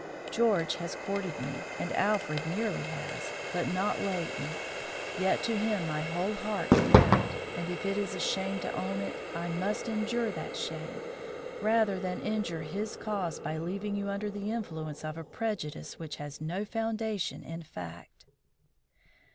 George has courted me and Alfred nearly has, but not Leighton; yet to him my whole heart went out, and if it is a shame to own it I must endure that shame rather than injure his cause by leaving you under the influence of a prejudice which has no foundation in fact."